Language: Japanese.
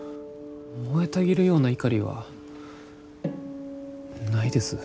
燃えたぎるような怒りはないです。